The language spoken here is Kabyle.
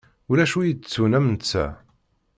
Ulac wi itettun am netta.